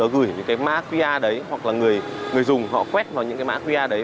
gửi những cái mã qr đấy hoặc là người dùng họ quét vào những cái mã qr đấy